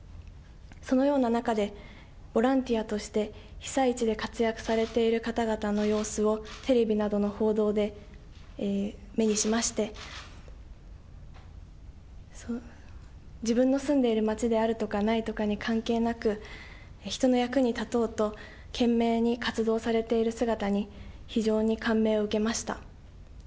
そのような中で、ボランティアとして被災地で活躍されている方々の様子をテレビなどの報道で目にしまして、自分の住んでいる町であるとかないとかに関係なく、人の役に立とうと懸命に活動されている姿に、非常に感銘を受けました。